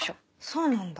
そうなんだ。